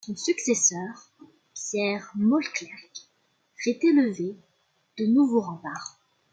Son successeur, Pierre Mauclerc fait élever de nouveaux remparts.